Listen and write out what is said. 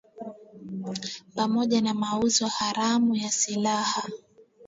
Pamoja na mauzo haramu ya silaha